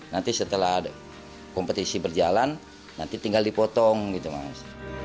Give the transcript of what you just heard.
nanti setelah kompetisi berjalan nanti tinggal dipotong gitu mas